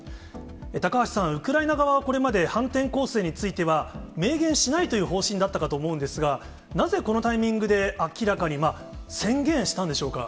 高橋さん、ウクライナ側はこれまで、反転攻勢については明言しないという方針だったかと思うんですが、なぜ、このタイミングで明らかに、宣言したんでしょうか。